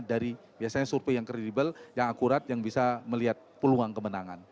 dari biasanya survei yang kredibel yang akurat yang bisa melihat peluang kemenangan